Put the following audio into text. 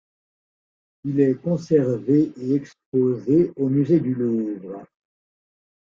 Il est conservé et exposé au musée du Louvre.